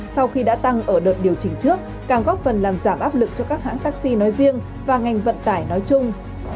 sau khi đã tăng ở đợt điều chỉnh trước càng góp phần làm giảm áp lực cho các hãng taxi nói riêng và ngành vận tải nói chung